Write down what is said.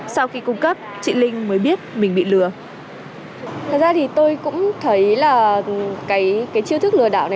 sau khi cung cấp chị linh mới biết mình bị lừa đảo